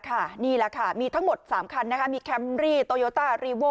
นี่แหละค่ะมีทั้งหมด๓คันมีแคมรี่โตโยต้ารีโว